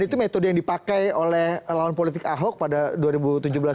dan itu metode yang dipakai oleh lawan politik ahok pada dua ribu tujuh belas yang lalu